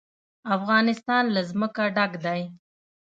افغانستان له ځمکه ډک دی.